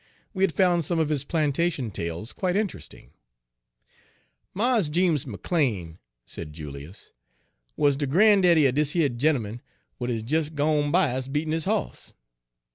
We had found some of his plantation tales quite interesting. "Mars Jeems McLean," said Julius, "wuz de grandaddy er dis yer gent'eman w'at is des gone by us beatin' his hoss.